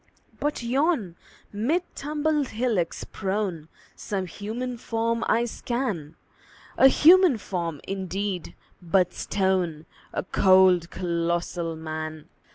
But yon, mid tumbled hillocks prone, Some human form I scan A human form, indeed, but stone: A cold, colossal Man!